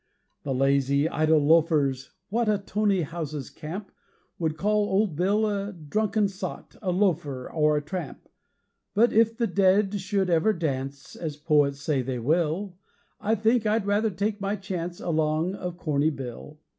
The lazy, idle loafers what In toney houses camp Would call old Bill a drunken sot, A loafer, or a tramp; But if the dead should ever dance As poets say they will I think I'd rather take my chance Along of Corny Bill.